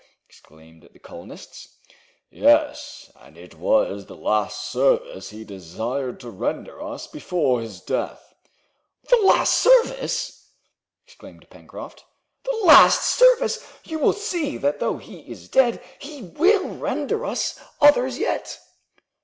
exclaimed the colonists. "Yes, and it was the last service he desired to render us before his death!" "The last service!" exclaimed Pencroft, "the last service! You will see that though he is dead he will render us others yet!"